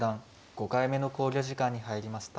５回目の考慮時間に入りました。